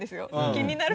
気になるな。